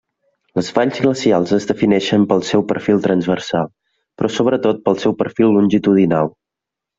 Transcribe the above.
Les valls glacials es defineixen pel seu perfil transversal, però sobretot pel seu perfil longitudinal.